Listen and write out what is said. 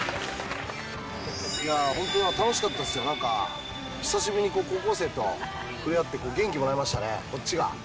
いやぁ、本当楽しかったっすよ、なんか、久しぶりに高校生とふれ合って、元気もらいましたね、こっちが。